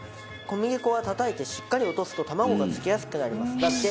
小麦粉はたたいてしっかり落とすと卵が付きやすくなりますだって。